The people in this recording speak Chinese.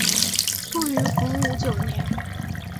卒于洪武九年。